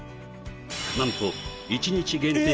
なんと１日限定